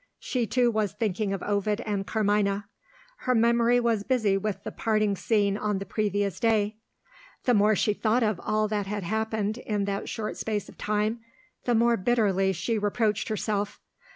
She, too, was thinking of Ovid and Carmina. Her memory was busy with the parting scene on the previous day. The more she thought of all that had happened in that short space of time, the more bitterly she reproached herself.